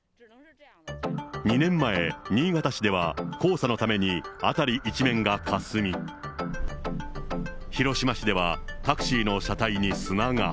２年前、新潟市では黄砂のために辺り一面が霞み、広島市では、タクシーの車体に砂が。